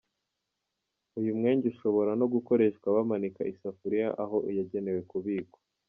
Uyu mwenge ushobora no gukoreshwa bamanika isafuriya aho yajyenewe kubikwa.